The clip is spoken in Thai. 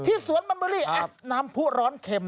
สวนมัมเบอรี่แอปน้ำผู้ร้อนเข็ม